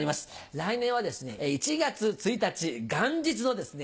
来年はですね１月１日元日のですね